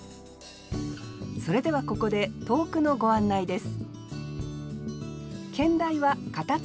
それではここで投句のご案内です